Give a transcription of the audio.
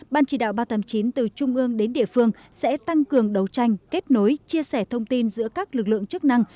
ban chỉ đạo ba trăm tám mươi chín từ trung ương đến địa phương sẽ tăng cường đấu tranh kết nối chia sẻ thông tin giữa các lực lượng chức năng